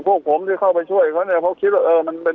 พวกผมที่เข้าไปช่วยเขาเนี่ยเขาคิดว่าเออมันเป็น